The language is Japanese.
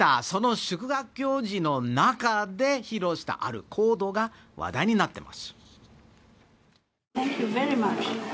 その祝賀行事の中で披露したある行動が話題になっています。